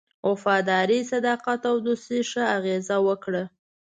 وفاداري، صداقت او دوستی ښه اغېزه وکړه.